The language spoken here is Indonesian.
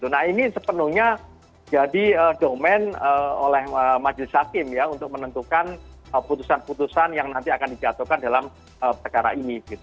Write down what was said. nah ini sepenuhnya jadi domen oleh majelis hakim ya untuk menentukan putusan putusan yang nanti akan dijatuhkan dalam perkara ini